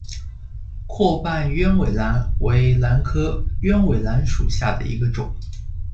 阔瓣鸢尾兰为兰科鸢尾兰属下的一个种。